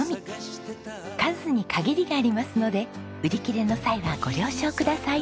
数に限りがありますので売り切れの際はご了承ください。